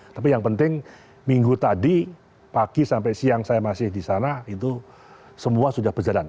tapi yang penting minggu tadi pagi sampai siang saya masih di sana itu semua sudah berjalan